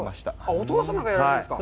お父様がやられたんですか。